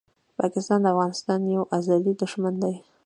پاکستان د افغانستان یو ازلي دښمن دی!